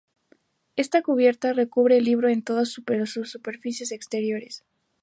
Esta cubierta recubre el libro en todas sus superficies exteriores.